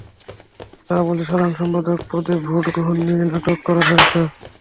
তারা বলছে, সাধারণ সম্পাদক পদে ভোট গ্রহণ নিয়ে নাটক করা হয়েছে।